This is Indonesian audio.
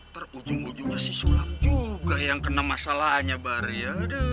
terujung ujungnya si sulaw juga yang kena masalahnya bar ya